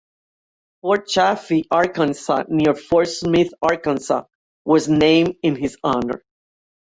Fort Chaffee, Arkansas, near Fort Smith, Arkansas, was named in his honor.